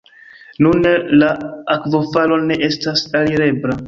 Nune la akvofalo ne estas alirebla.